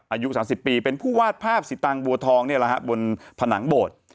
อายุ๓๐ปีเป็นผู้วาดภาพสิตังบัวทองบนผนังโบสถ์